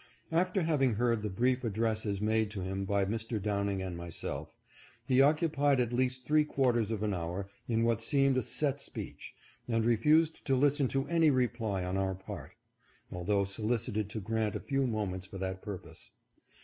After having heard the brief addresses made to him by Mr. Downing and myself, he occupied at least three quarters of an hour in what seemed a set speech, and refused to lis ten to any reply on our part, although solicited to grant a few moments for that purpose.